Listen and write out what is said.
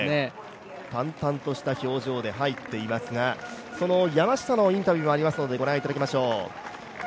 淡々とした表情で入っていますが、その山下のインタビューもありますのでご覧いただきましょう。